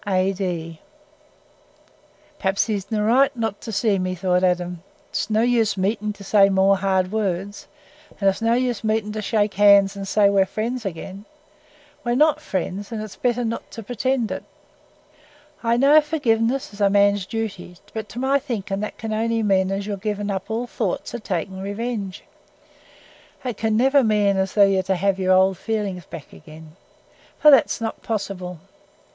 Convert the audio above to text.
"A.D." "Perhaps he's i' th' right on 't not to see me," thought Adam. "It's no use meeting to say more hard words, and it's no use meeting to shake hands and say we're friends again. We're not friends, an' it's better not to pretend it. I know forgiveness is a man's duty, but, to my thinking, that can only mean as you're to give up all thoughts o' taking revenge: it can never mean as you're t' have your old feelings back again, for that's not possible.